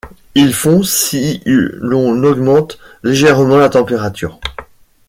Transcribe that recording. Il fond si l'on augmente légèrement la température.